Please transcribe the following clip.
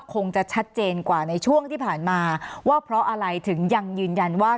คงจะชัดเจนกว่าในช่วงที่ผ่านมาว่าเพราะอะไรถึงยังยืนยันว่า